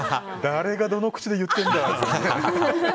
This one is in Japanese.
誰がどの口で言ってんだ。